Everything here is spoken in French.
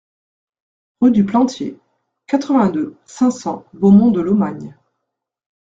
Rue du Plantié, quatre-vingt-deux, cinq cents Beaumont-de-Lomagne